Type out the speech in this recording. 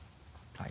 はい。